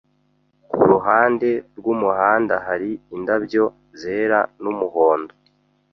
Kuruhande rwumuhanda hari indabyo zera numuhondo.